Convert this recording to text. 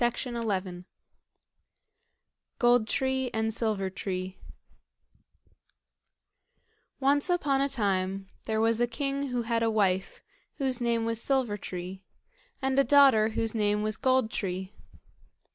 Gold Tree and Silver Tree Once upon a time there was a king who had a wife, whose name was Silver tree, and a daughter whose name was Gold tree.